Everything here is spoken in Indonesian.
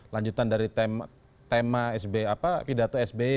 lanjutan dari tema sbe apa pidato sbe